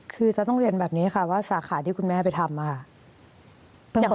คือจะต้องเรียนแบบนี้ค่ะว่าสาขาที่คุณแม่ไปทำค่ะ